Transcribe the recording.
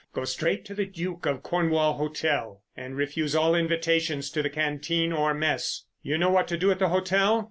Go straight to the Duke of Cornwall Hotel, and refuse all invitations to the canteen or mess. You know what to do at the hotel?